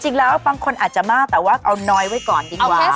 จริงแล้วบางคนอาจจะมากแต่ว่าเอาน้อยไว้ก่อนดีกว่า